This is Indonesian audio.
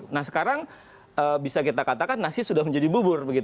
nah sekarang bisa kita katakan nasi sudah menjadi bubur